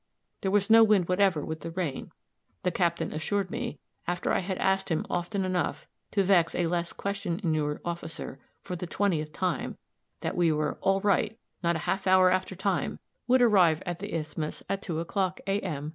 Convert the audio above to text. There was no wind whatever, with the rain; the captain assured me, after I had asked him often enough to vex a less question inured officer, for the twentieth time, that we were "all right" "not a half hour after time" "would arrive at the isthmus at two o'clock, A.M.